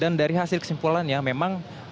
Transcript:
dan dari hasil kesimpulannya memang ada catatan penting